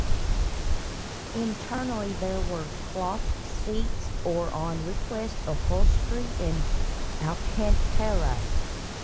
Internally there were cloth seats or, on request, upholstery in Alcantara.